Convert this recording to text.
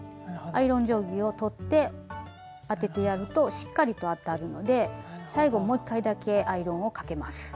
アイロン定規を取って当ててやるとしっかりと当たるので最後もう一回だけアイロンをかけます。